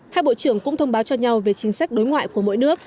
hai bộ trưởng cũng thông báo cho nhau về chính sách đối ngoại của mỗi nước